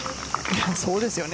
そうですよね